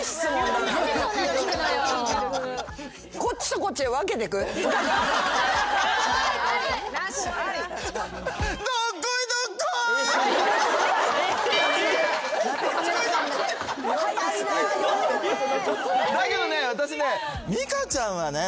だけどね